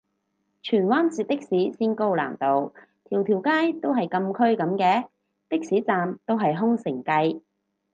荃灣截的士先高難度，條條街都係禁區噉嘅？的士站都係空城計